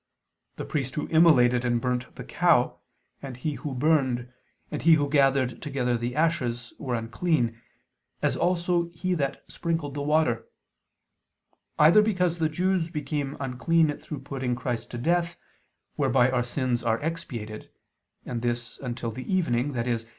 The priest who immolated and burned the cow, and he who burned, and he who gathered together the ashes, were unclean, as also he that sprinkled the water: either because the Jews became unclean through putting Christ to death, whereby our sins are expiated; and this, until the evening, i.e.